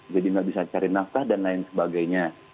jadi gak bisa cari nafkah dan lain sebagainya